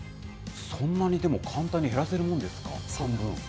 そんなにでも簡単に減らせるものですか？